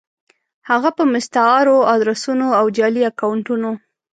هفه په مستعارو ادرسونو او جعلي اکونټونو